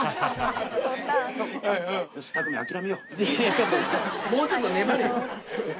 ちょっともうちょっと粘れよ。